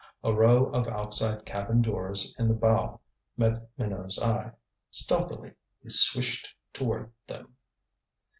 A row of outside cabin doors in the bow met Minot's eye. Stealthily he swished toward them.